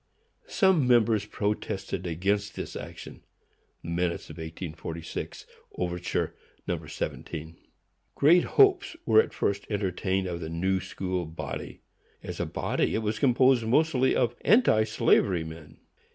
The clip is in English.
Some members protested against this action. (Minutes, 1846. Overture No. 17.) Great hopes were at first entertained of the New School body. As a body, it was composed mostly of anti slavery men.